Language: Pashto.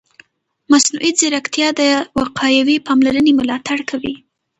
مصنوعي ځیرکتیا د وقایوي پاملرنې ملاتړ کوي.